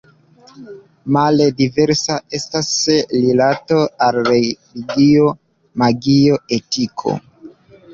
Male diversa estas rilato al religio, magio, etiko.